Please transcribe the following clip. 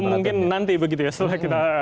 oke itu mungkin nanti begitu ya setelah kita